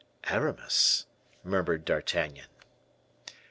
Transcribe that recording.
"Aramis," murmured D'Artagnan.